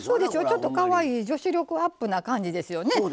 ちょっとかわいい女子力アップな感じですよね。